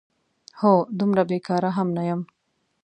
هو، دومره بېکاره هم نه یم؟!